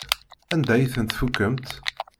Anda ay tent-tfukemt?